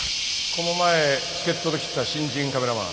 この前助っとで来てた新人カメラマン。